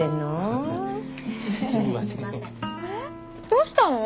どうしたの？